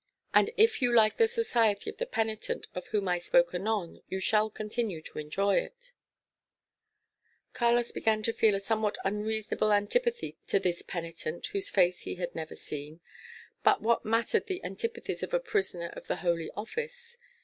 And if you like the society of the penitent of whom I spoke anon, you shall continue to enjoy it." [#] But these laws were often broken or evaded. Carlos began to feel a somewhat unreasonable antipathy to this penitent, whose face he had never seen. But what mattered the antipathies of a prisoner of the Holy Office?